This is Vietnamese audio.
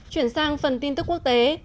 chuyển sang phần tin tức quốc tế